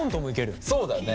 そうだよね。